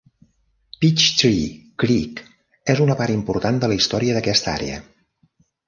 Peachtree Creek és una part important de la història d'aquesta àrea.